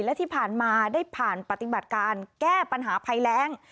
และที่ผ่านมาได้ผ่านปฏิบัติการแก้ปัญหาภัยแรง